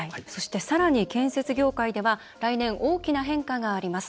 さらに、建設業界では来年、大きな変化があります。